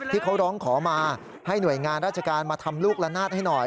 ที่เขาร้องขอมาให้หน่วยงานราชการมาทำลูกละนาดให้หน่อย